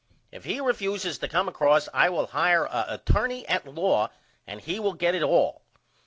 If he refuses to come across I will hire a attorney at law and he will get it all.